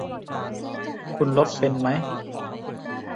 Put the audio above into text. คุณลบเป็นมั้ย